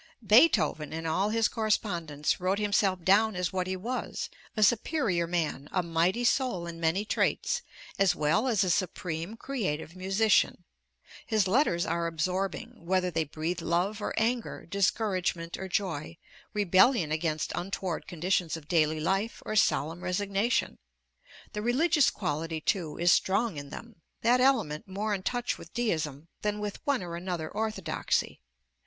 Beethoven in all his correspondence wrote himself down as what he was, a superior man, a mighty soul in many traits, as well as a supreme creative musician. His letters are absorbing, whether they breathe love or anger, discouragement or joy, rebellion against untoward conditions of daily life or solemn resignation. The religious quality, too, is strong in them; that element more in touch with Deism than with one or another orthodoxy.